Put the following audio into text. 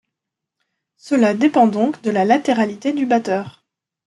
Cela dépend donc de la latéralité du batteur.